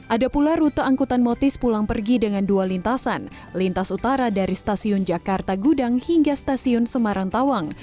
ada pula rute angkutan motis pulang pergi dengan dua lintasan lintas utara dari stasiun jakarta gudang hingga stasiun semarang tawang